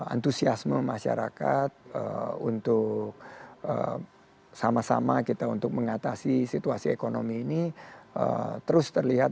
antusiasme masyarakat untuk sama sama kita untuk mengatasi situasi ekonomi ini terus terlihat